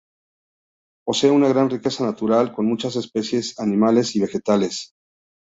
Posee una gran riqueza natural, con muchas especies animales y vegetales.